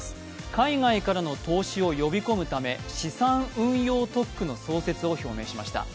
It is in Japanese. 海外からの投資を呼び込むため資産運用特区の創設を表明しました。